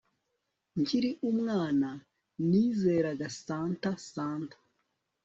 Nkiri umwana nizeraga Santa Santa